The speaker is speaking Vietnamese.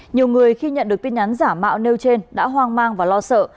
nhiều người khi nhận được tin nhắn giả mạo nêu trên đã hoang mang và lo sợ